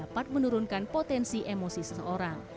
dapat menurunkan potensi emosi seseorang